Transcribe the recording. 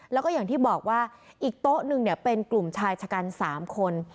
แล้วก็อย่างที่บอกว่าอีกโต๊ะหนึ่งเป็นกลุ่มชายชะกัน๓คน